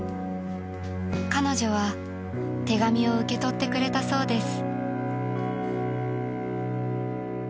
［彼女は手紙を受け取ってくれたそうです］